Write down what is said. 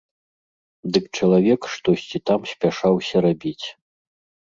Дык чалавек штосьці там спяшаўся рабіць.